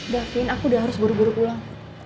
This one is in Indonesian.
dakin aku udah harus buru buru pulang